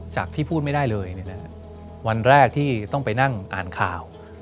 ที่พูดไม่ได้เลยวันแรกที่ต้องไปนั่งอ่านข่าว